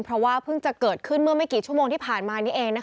เพราะว่าเพิ่งจะเกิดขึ้นเมื่อไม่กี่ชั่วโมงที่ผ่านมานี้เอง